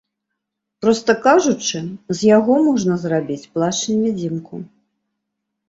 Проста кажучы, з яго можна зрабіць плашч-невідзімку.